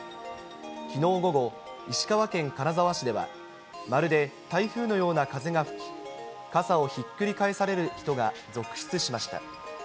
きのう午後、石川県金沢市では、まるで台風のような風が吹き、傘をひっくり返される人が続出しました。